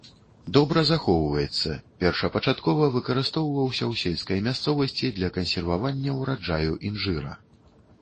Добра захоўваецца, першапачаткова выкарыстоўваўся ў сельскай мясцовасці для кансервавання ўраджаю інжыра.